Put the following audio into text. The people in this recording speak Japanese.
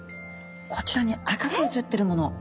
こちらに赤くうつってるもの。